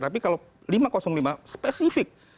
tapi kalau lima ratus lima spesifik